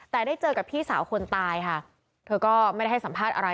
แต่ได้เจอกับพี่สาวคนตายค่ะเธอก็ไม่ได้ให้สัมภาษณ์อะไร